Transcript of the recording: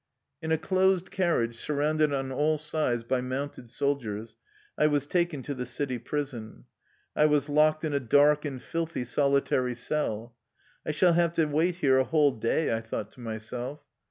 In a closed carriage, surrounded on all sides by mounted soldiers, I was taken to the city prison. I was locked in a dark and filthy soli tary cell. " I shall have to wait here a whole day," I thought to myself.